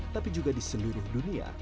tapi juga di seluruh dunia